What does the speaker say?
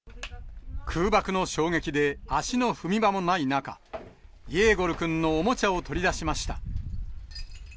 空爆の衝撃で足の踏み場もない中、イェーゴルくんのおもちゃを取り出しました。